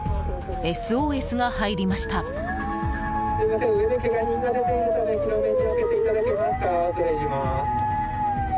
ＳＯＳが入りました。